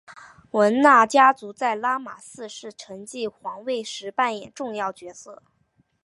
汶那家族在拉玛四世继承皇位的时候扮演重要角色。